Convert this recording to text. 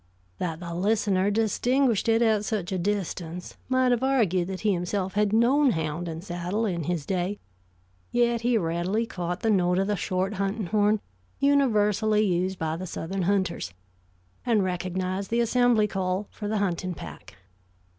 That the listener distinguished it at such a distance might have argued that he himself had known hound and saddle in his day; yet he readily caught the note of the short hunting horn universally used by the Southern hunters, and recognized the assembly call for the hunting pack.